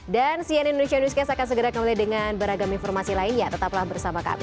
dan cnn indonesia newscast akan segera kembali dengan beragam informasi lainnya tetaplah bersama kami